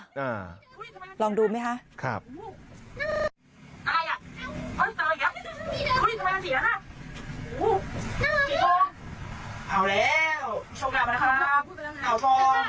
เอาแล้ว